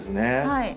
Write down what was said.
はい。